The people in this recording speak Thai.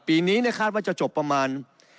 ปีนี้คาดว่าจะจบประมาณ